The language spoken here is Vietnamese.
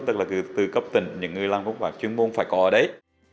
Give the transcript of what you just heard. tức là từ cấp tỉnh những người làm công pháp chuyên môn phải có ở đấy